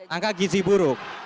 angka gizi buruk